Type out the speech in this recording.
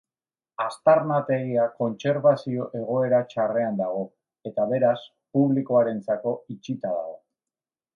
Aztarnategia kontserbazio egoera txarrean dago, eta, beraz, publikoarentzako itxita dago.